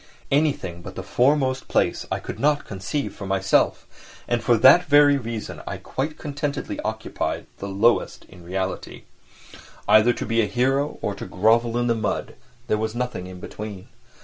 Anything but the foremost place I could not conceive for myself, and for that very reason I quite contentedly occupied the lowest in reality. Either to be a hero or to grovel in the mud—there was nothing between.